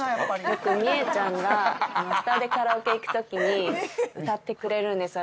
よくみえちゃんがアフターでカラオケ行く時に歌ってくれるんですよ